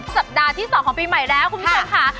สัปดาห์ที่๒ของปีใหม่แล้วคุณผู้ชมค่ะ